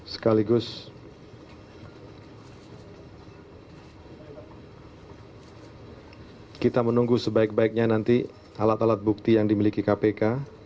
sekaligus kita menunggu sebaik baiknya nanti alat alat bukti yang dimiliki kpk